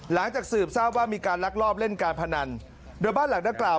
หลังจากสืบทราบว่ามีการลักลอบเล่นการพนันโดยบ้านหลังดังกล่าว